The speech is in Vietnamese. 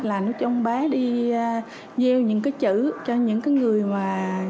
là nó cho con bá đi gieo những cái chữ cho những người mà